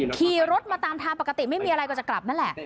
ขี่รถมาตามทางปกติไม่มีอะไรก็จะกลับนั่นแหละ